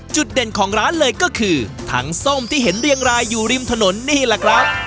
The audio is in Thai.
จุดเด่นของร้านเลยก็คือถังส้มที่เห็นเรียงรายอยู่ริมถนนนี่แหละครับ